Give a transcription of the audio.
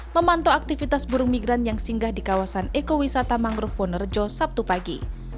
memantau aktivitas burung migran yang singgah di kawasan ekowisata mangrove wonerjo sabtu pagi